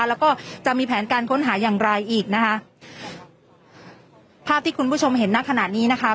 แล้วก็จะมีแผนการค้นหาอย่างไรอีกนะคะภาพที่คุณผู้ชมเห็นณขณะนี้นะคะ